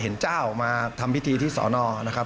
เห็นเจ้ามาทำพิธีที่สน